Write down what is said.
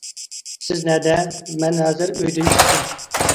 -سىز نەدە، مەن ھازىر ئۆيدىن چىقتىم.